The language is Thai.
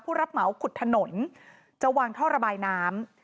รับเหมาขุดถนนจะวางท่อระบายน้ำ